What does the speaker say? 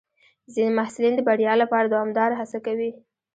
ځینې محصلین د بریا لپاره دوامداره هڅه کوي.